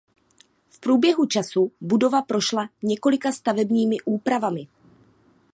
V průběhu času budova prošla několika stavebními úpravami.